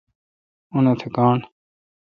اونتھ گاݨڈ